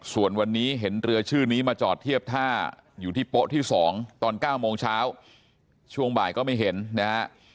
ส่วนวันนี้เห็นเรือชื่อนี้มาจอดเทียบท่าอยู่ที่โป๊ะที่๒ตอน๙โมงเช้าช่วงบ่ายก็ไม่เห็นนะฮะ